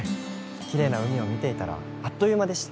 きれいな海を見ていたらあっという間でした。